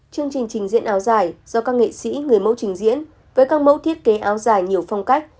chương trình trình diễn áo dài do các nghệ sĩ người mẫu trình diễn với các mẫu thiết kế áo dài nhiều phong cách